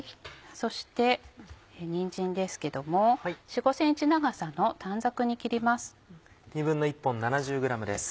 そしてにんじんですけども４５ｃｍ長さの短冊に切ります。